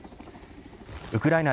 ウクライナ